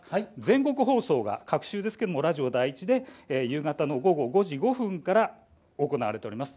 全国放送が隔週ですがラジオ第１で夕方午後５時５分から行われております。